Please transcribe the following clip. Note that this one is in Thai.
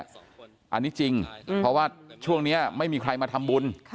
อันนี้จริงเพราะว่าช่วงนี้ไม่มีใครมาทำบุญ